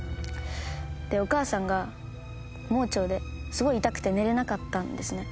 でお母さんが盲腸ですごい痛くて寝れなかったんですね。